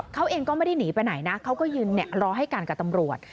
เขาเองก็ไม่ได้หนีไปไหนนะเขาก็ยืนรอให้กันกับตำรวจ